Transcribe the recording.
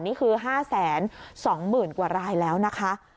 นี่คือ๕๒๐๐๐กว่ารายแล้วนะคะ